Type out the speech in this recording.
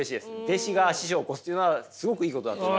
弟子が師匠を超すというのはすごくいいことだと思うんですよ。